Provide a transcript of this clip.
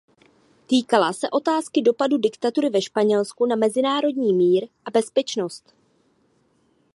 Týkala se otázky dopadu diktatury ve Španělsku na mezinárodní mír a bezpečnost.